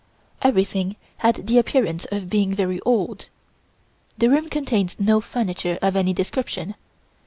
Everything had the appearance of being very old. The room contained no furniture of any description.